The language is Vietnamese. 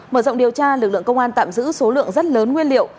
mở rộng điều tra lực lượng công an tạm giữ số lượng rất lớn nguyên liệu